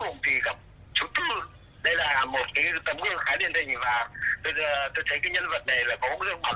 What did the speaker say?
hôm đấy đến gặp trung tâm thì họ có giới thiệu rất nhiều cái tấm gương